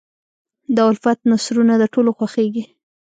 د الفت نثرونه د ټولو خوښېږي.